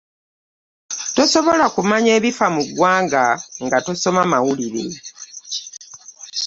Tusobola okumanya ebifa mu ggwanga nga tusoma amawulire.